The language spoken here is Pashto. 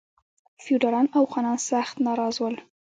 فیوډالان او خانان سخت ناراض ول.